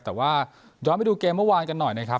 แต่ว่าย้อนไปดูเกมเมื่อวานกันหน่อยนะครับ